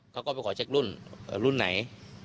เขาก็ไปขอเช็ครุ่นรุ่นไหน